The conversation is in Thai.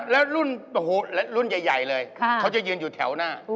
แล้วรุ่นใหญ่เลยเขาจะยืนอยู่แถวหน้า